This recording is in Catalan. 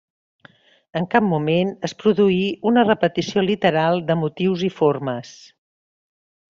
En cap moment es produí una repetició literal de motius i formes.